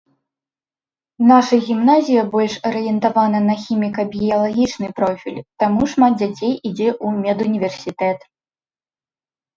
Наша гімназія больш арыентавана на хіміка-біялагічны профіль, таму шмат дзяцей ідзе у медуніверсітэт.